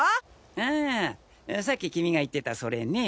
ああさっき君が言ってたそれね！